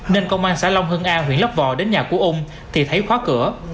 nên công an xã long hân a huyện lấp vọ đến nhà của ung thì thấy khóa cửa